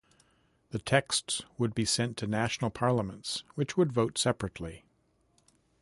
The texts would be sent to national parliaments, which would vote separately.